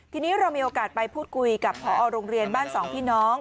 ทีนี้เรามีโอกาสไปพูดคุยกับพอโรงเรียนบ้านสองพี่น้อง